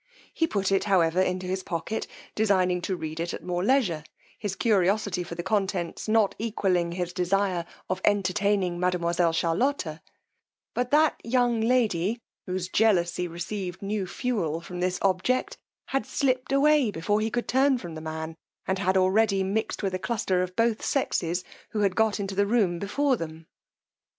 He put it however in his pocket, designing to read it at more leisure, his curiosity for the contents not equalling his desire of entertaining mademoiselle Charlotta; but that young lady, whose jealousy received new fewel from this object, had slipt away before he could turn from the man, and had already mixed with a cluster of both sexes who had got into the room before them.